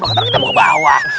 karena kita mau ke bawah